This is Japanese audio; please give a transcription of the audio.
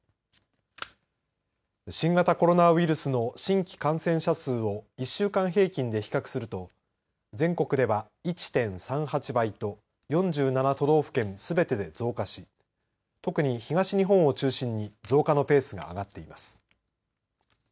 新型コロナウイルスの新規感染者数を１週間平均で比較すると全国では１．３８倍と４７都道府県すべてで増加し特に東日本を中心に増加のペースが上がっています。